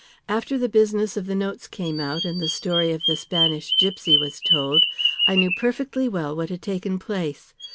After the business of the notes came out and the story of the Spanish gipsy was told, I knew perfectly well what had taken place.